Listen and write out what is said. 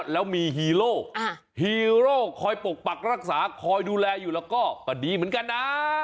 แล้วมีฮีโร่ฮีโร่คอยปกปักรักษาคอยดูแลอยู่แล้วก็ดีเหมือนกันนะ